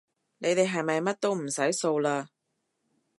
你哋係咪乜都唔使掃嘞